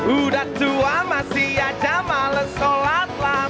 udah tua masih aja males sholat lah